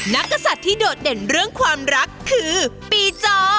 กษัตริย์ที่โดดเด่นเรื่องความรักคือปีจอ